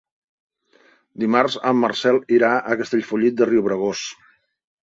Dimarts en Marcel irà a Castellfollit de Riubregós.